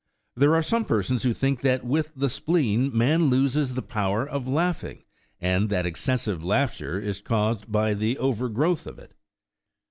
There are some persons who think that with the spleen man loses the power of laughing, and that excessive laughter is caused by the overgrowth of it.